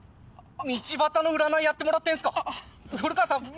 道端の占いやってもらってんすか？